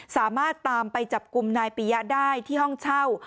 สามารถตามไปจับกลุ่มนายปียะได้ที่ห้องเช่า